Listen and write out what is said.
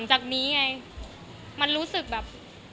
ก็จะดีกว่ากันเลยว่า